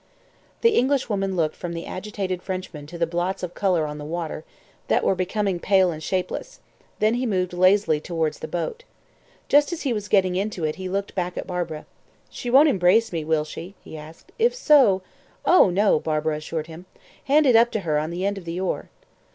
The Englishman looked from the agitated Frenchwoman to the blots of colour on the water, that were becoming pale and shapeless; then he moved lazily towards the boat. Just as he was getting into it he looked back at Barbara. "She won't embrace me will she?" he asked. "If so " "Oh, no," Barbara assured him. "Hand it up to her on the end of the oar."